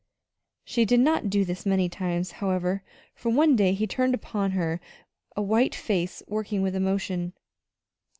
She did not do this many times, however, for one day he turned upon her a white face working with emotion.